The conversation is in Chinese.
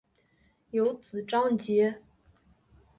有子章碣。